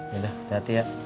yaudah hati hati ya